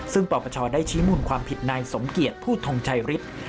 ซึ่งปปชได้ชี้มูลความผิดนายสมเกียจผู้ทงชัยฤทธิ์